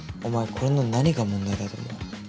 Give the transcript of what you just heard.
これの何が問題だと思う？